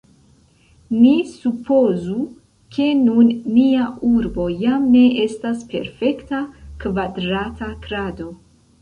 Ni supozu, ke nun nia urbo jam ne estas perfekta kvadrata krado.